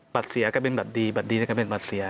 บัตรเสียกันเป็นบัตรดีบัตรดีกันเป็นบัตรเสีย